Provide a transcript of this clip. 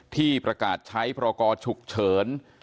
ที่ประกาศใช้พรกรฉุกเฉิน